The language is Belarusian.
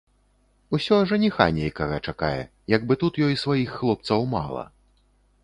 Усё жаніха нейкага чакае, як бы тут ёй сваіх хлопцаў мала.